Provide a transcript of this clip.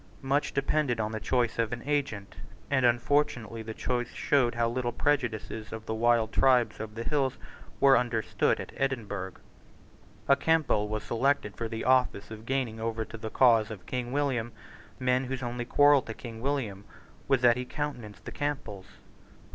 Much depended on the choice of an agent; and unfortunately the choice showed how little the prejudices of the wild tribes of the hills were understood at Edinburgh. A Campbell was selected for the office of gaining over to the cause of King William men whose only quarrel to King William was that he countenanced the Campbells.